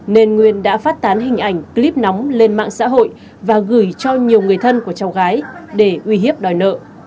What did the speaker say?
nên nguyên đã phát tán hình ảnh clip nóng lên mạng xã hội và gửi cho nhiều người thân của cháu gái để uy hiếp đòi nợ